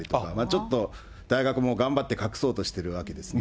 ちょっと、大学も頑張って隠そうとしているわけですね。